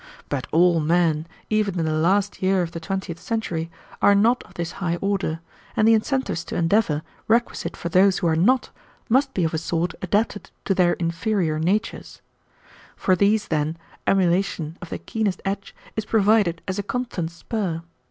"But all men, even in the last year of the twentieth century, are not of this high order, and the incentives to endeavor requisite for those who are not must be of a sort adapted to their inferior natures. For these, then, emulation of the keenest edge is provided as a constant spur.